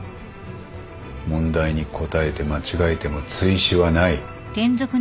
問題に答えて間違えても追試はない。